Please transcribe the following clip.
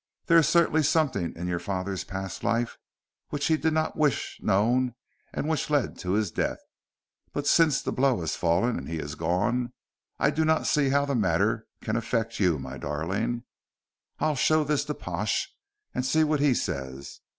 "There is certainly something in your father's past life which he did not wish known and which led to his death. But since the blow has fallen and he is gone, I do not see how the matter can affect you, my darling. I'll show this to Pash and see what he says.